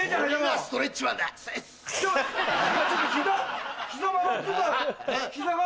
ストレッチマンを。